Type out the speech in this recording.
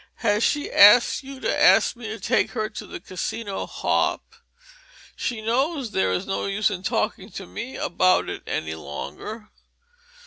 Has she asked you to ask me to take her to the Casino hop? She knows there is no use in talking to me about it any longer."